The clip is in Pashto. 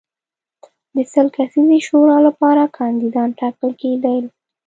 د سل کسیزې شورا لپاره کاندیدان ټاکل کېدل.